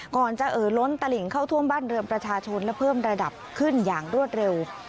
ก่อนจะเอ่อล้นตลิ่งเข้าท่วมบ้านเรือนประชาชนและเพิ่มระดับขึ้นอย่างรวดเร็ว